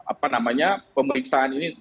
apa namanya pemeriksaan ini